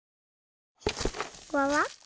わわっ？